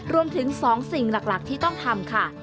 รวมถึง๒สิ่งหลักที่ต้องทำค่ะ